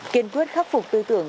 kiên quyết khắc phục tư tưởng